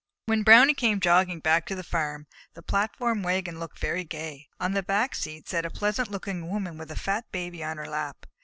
When Brownie came jogging back to the farm, the platform wagon looked very gay. On the back seat sat a pleasant looking Woman with a fat Baby on her lap.